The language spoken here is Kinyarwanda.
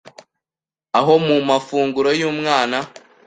aho mu mafunguro y’umwana